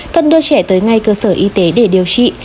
cần đưa trẻ tới ngay cơ sở y tế để điều trị